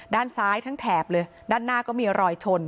ด้านซ้ายทั้งแถบเลยด้านหน้าก็มีรอยชน